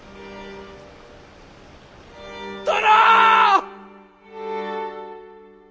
殿！